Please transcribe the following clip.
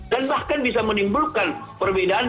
dan bahkan bisa menimbulkan perbedaan